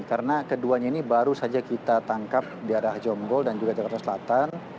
karena keduanya ini baru saja kita tangkap di arah jombol dan juga jakarta selatan